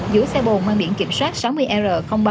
giữa xe bồn mang điện kiểm soát sáu mươi r ba nghìn ba mươi hai